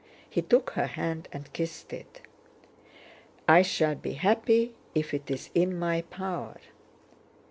He took her hand and kissed it. "I shall be happy if it's in my power..."